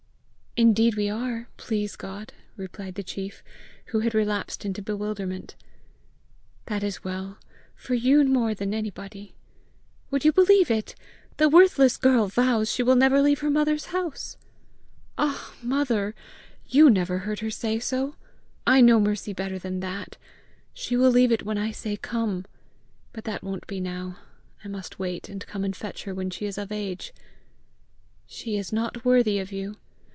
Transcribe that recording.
"Indeed we are, please God!" replied the chief, who had relapsed into bewilderment. "That is well for you more than anybody. Would you believe it the worthless girl vows she will never leave her mother's house!" "Ah, mother, YOU never heard her say so! I know Mercy better than that! She will leave it when I say COME. But that won't be now. I must wait, and come and fetch her when she is of age." "She is not worthy of you."